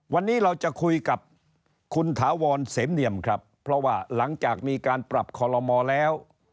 วันนี้เราจะคุยกับคุณถาวรเสมเนียมครับเพราะว่าหลังจากมีการปรับคอลโลมอลแล้ว